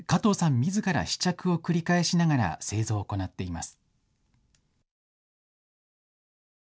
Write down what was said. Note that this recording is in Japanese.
みずから試着を繰り返しながら製造を行っています。